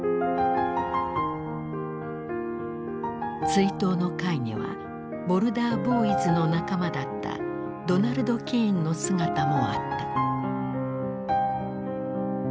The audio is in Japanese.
追悼の会にはボルダー・ボーイズの仲間だったドナルド・キーンの姿もあった。